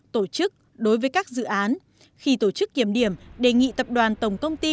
tổ chức đối với các dự án khi tổ chức kiểm điểm đề nghị tập đoàn tổng công ty